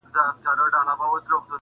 د هسکو غرونو درې ډکي کړلې.!